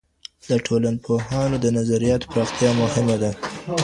د ټولنپوهانو د نظریاتو پراختیا مهمه ده.